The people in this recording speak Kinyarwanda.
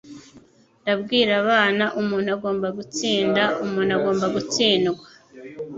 Ndabwira abana, umuntu agomba gutsinda, umuntu agomba gutsindwa.